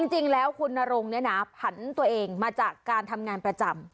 จริงแล้วคุณนรงเนี่ยนะผันตัวเองมาจากการทำงานประจำ